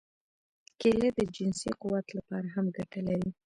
کېله د جنسي قوت لپاره هم ګټه لري.